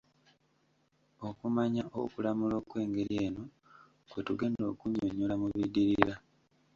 Okumanya oba okulamula okw'engeri eno kwe tugenda okunnyonnyola mu biddirira.